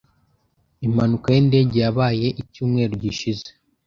Impanuka yindege yabaye icyumweru gishize.